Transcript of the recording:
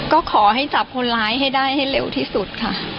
ก็ขอให้จับคนร้ายให้ได้ให้เร็วที่สุดค่ะ